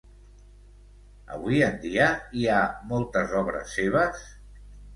Avui en dia hi ha moltes obres seves?